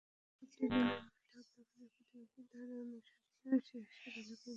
স্থানীয় সূত্র জানায়, মেহেদী হত্যাকাণ্ডের প্রতিবাদে তাঁর অনুসারীরা শেরশাহ এলাকায় মিছিল করেন।